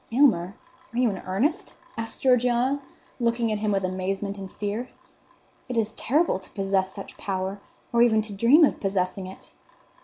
"Aylmer, are you in earnest?" asked Georgiana, looking at him with amazement and fear. "It is terrible to possess such power, or even to dream of possessing it."